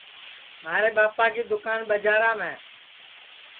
مھارے ٻاپا کی دوکان ٻجارام ہے